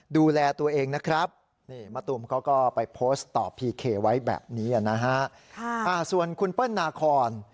ดูแลตัวเองนะครับนี่มะตูมเขาก็ไปโพสต์ต่อพีเคไว้แบบนี้นะฮะส่วนคุณเปิ้ลนาคอน